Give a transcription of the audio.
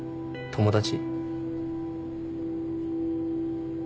友達？